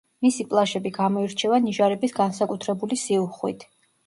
მისი პლაჟები გამოირჩევა ნიჟარების განსაკუთრებული სიუხვით.